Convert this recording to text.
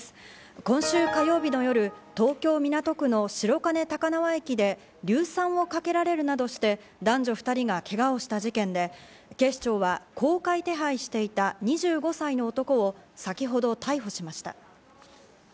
今週火曜日の夜、東京・港区の白金高輪駅で硫酸をかけられるなどして男女２人がけがをした事件で、警視庁は公開手配していた２５歳の男を先ほど逮捕しました。